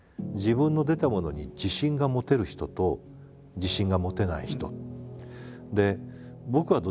自分の出たものに自信が持てる人と自信が持てない人。